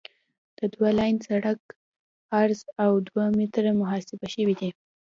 د دوه لاین سرک عرض اوه متره محاسبه شوی دی